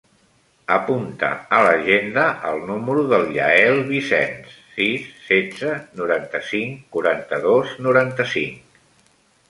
Apunta a l'agenda el número del Yael Vicens: sis, setze, noranta-cinc, quaranta-dos, noranta-cinc.